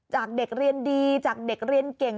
จากเด็กเรียนดีจากเด็กเรียนเก่ง